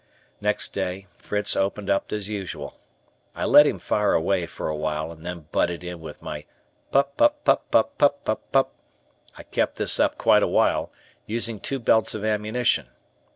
Next day, Fritz opened up as usual. I let him fire away for a while and then butted in with my "pup pup pup pup pup pup." I kept this up quite a while, used two belts of ammunition.